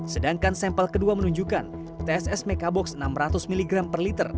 sedangkan sampel kedua menunjukkan tss mekabox enam ratus mg per liter